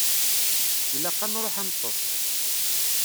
Ilaq ad nṛuḥ ad neṭṭeṣ.